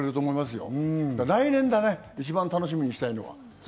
来年だね、一番楽しみにしたいのは。